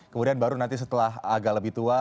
kemudian baru nanti setelah agak lebih tua